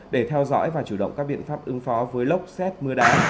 để theo dõi và chủ động các biện pháp ứng phó với lốc xét mưa đá